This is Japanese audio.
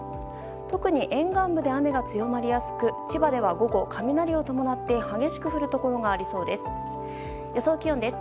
特に沿岸部で雨が強まりやすく千葉では午後、雷を伴って激しく降るところがありそうです。